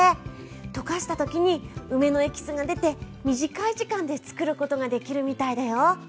溶かした時に梅のエキスが出て短い時間で作ることができるみたいだよ。